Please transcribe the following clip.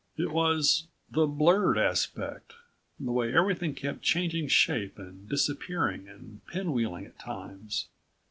It was ... the blurred aspect, the way everything kept changing shape and disappearing and pinwheeling at times.